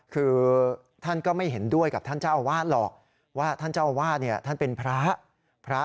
คือท่านก็ไม่เห็นด้วยกับท่านเจ้าอาวาสหรอกว่าท่านเจ้าอาวาสเนี่ยท่านเป็นพระ